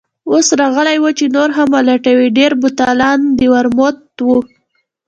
اوس راغلې وه چې نور هم ولټوي، ډېری بوتلان د ورموت وو.